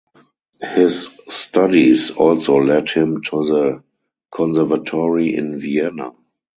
His studies also led him to the Conservatory in Vienna.